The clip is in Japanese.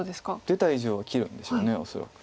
出た以上は切るんでしょう恐らく。